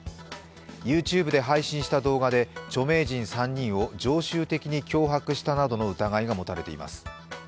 ＹｏｕＴｕｂｅで配信した動画で著名人３人を常習的に脅迫したなどの疑いが持たれています。